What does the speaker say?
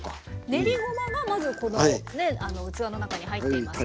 練りごまがまずこのね器の中に入っていますよ。